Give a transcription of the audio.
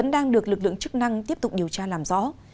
đang được lực lượng chức năng tiếp tục điều tra làm rõ